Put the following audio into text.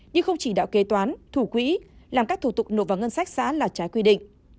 nhưng không chỉ đạo kế toán thủ quỹ làm các thủ tục nộp vào ngân sách xã là trái quy định